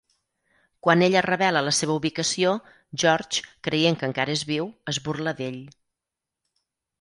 Quan ella revela la seva ubicació, George, creient que encara és viu, es burla d'ell.